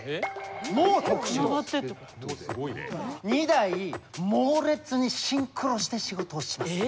２台猛烈にシンクロして仕事をします。